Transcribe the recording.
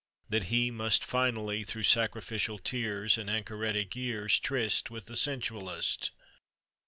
That he Must finally, "Through sacrificial tears, And anchoretic years, Tryst With the sensualist?"